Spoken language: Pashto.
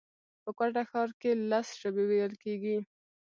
په کوټه ښار کښي لس ژبي ویل کېږي